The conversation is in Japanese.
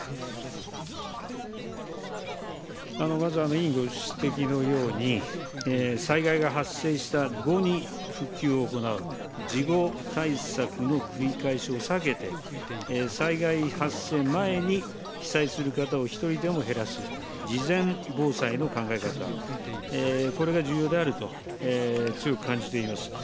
まず委員ご指摘のように、災害が発生した後に復旧を行う事後対策の繰り返しを避けて、災害発生前に被災する方を一人でも減らす事前防災の考え方、これが重要であると強く感じています。